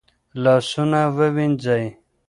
لاسونه ووينځئ.